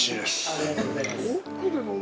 ありがとうございます。